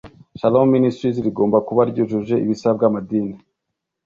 Shalomministries rigomba kuba ryujuje ibisabwa amadini